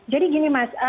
jadi gini mas